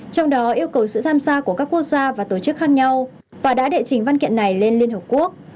trong đó yêu cầu sự tham gia của các quốc gia và tổ chức khác nhau và đã đệ trình văn kiện này lên liên hợp quốc